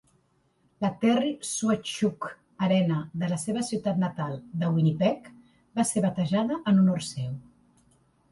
La Terry Sawchuk Arena de la seva ciutat natal de Winnipeg va ser batejada en honor seu.